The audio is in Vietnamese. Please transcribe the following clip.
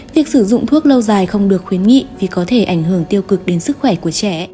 việc sử dụng thuốc lâu dài không được khuyến nghị vì có thể ảnh hưởng tiêu cực đến sức khỏe của trẻ